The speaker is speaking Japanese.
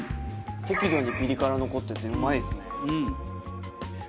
適度にピリ辛残っててうまいですね。